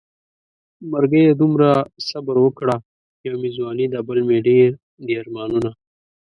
مرګيه دومره صبر وکړه يو مې ځواني ده بل مې ډېر دي ارمانونه